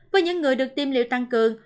với những người được tiêm liệu tăng cường